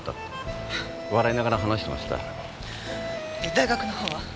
大学の方は？